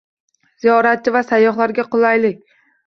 Ziyoratchi va sayyohlarga qulaylik